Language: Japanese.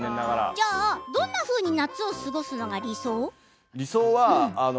どんなふうに夏を過ごすのが理想？